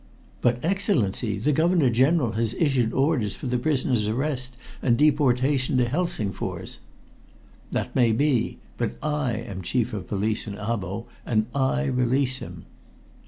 "But, Excellency, the Governor General has issued orders for the prisoner's arrest and deportation to Helsingfors." "That may be. But I am Chief of Police in Abo, and I release him."